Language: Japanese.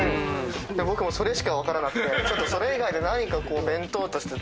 僕もそれしか分からなくてそれ以外で何か弁当として。